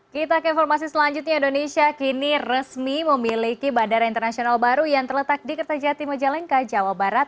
kita ke informasi selanjutnya indonesia kini resmi memiliki bandara internasional baru yang terletak di kertajati majalengka jawa barat